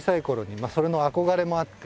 それの憧れもあって。